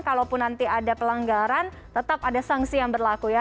kalaupun nanti ada pelanggaran tetap ada sanksi yang berlaku ya